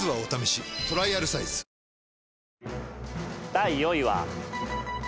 第４位は。